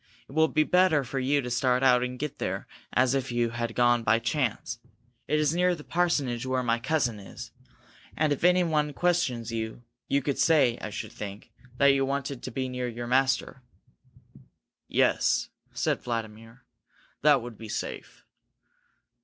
It will be better for you to start out and get there as if you had gone by chance. It is near the parsonage where my cousin is, and if anyone questions you, you could say, I should think, that you wanted to be near your master." "Yes," said Vladimir. "That would be safe."